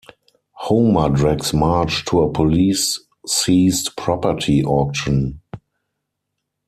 Homer drags Marge to a police seized-property auction.